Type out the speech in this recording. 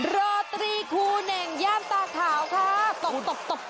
โรตีครูแหน่งย่านตะขาวค่ะตก